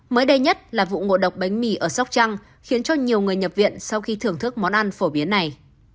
mới đây nhất là vụ ngộ độc bánh mì ở sóc trăng khiến cho nhiều người nhập viện sau khi thưởng thức món ăn phổ biến này